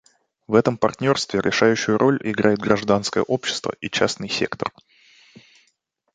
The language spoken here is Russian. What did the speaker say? В этом партнерстве решающую роль играют гражданское общество и частный сектор.